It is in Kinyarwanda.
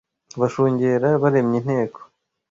Bashungera baremye inteko,